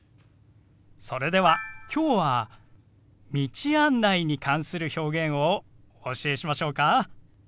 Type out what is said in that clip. それでは今日は道案内に関する表現をお教えしましょうか？